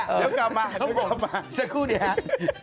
เดี๋ยวกลับมาเดี๋ยวกลับมาซักครู่สิครับ